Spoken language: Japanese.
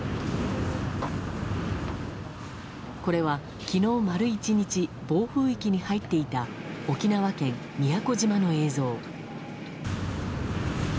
これは昨日丸１日暴風域に入っていた沖縄県宮古島の映像。